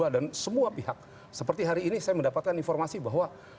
dan semua pihak seperti hari ini saya mendapatkan informasi bahwa